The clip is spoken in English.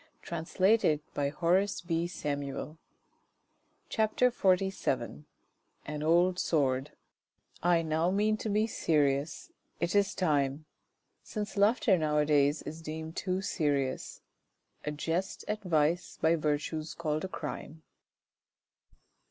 she said to herself CHAPTER XLVII AN OLD SWORD I now mean to be serious ; it is time Since laughter now a diiys is deemed too serious. A jest at vice by virtue s called a crime.